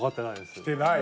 きてない。